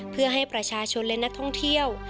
เพื่อให้ประชาชนและนักท่องเที่ยว